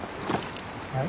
はい。